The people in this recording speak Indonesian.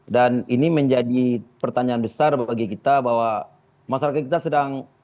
dan ini menjadi pertanyaan besar bagi kita bahwa masyarakat kita sedang